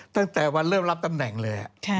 ตั้งแต่วันเริ่มรับตำแหน่งเลย